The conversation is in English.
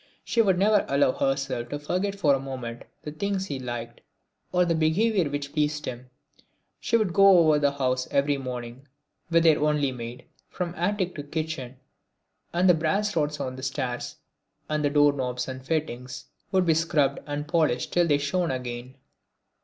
She would never allow herself to forget for a moment the things he liked, or the behaviour which pleased him. She would go over the house every morning, with their only maid, from attic to kitchen, and the brass rods on the stairs and the door knobs and fittings would be scrubbed and polished till they shone again.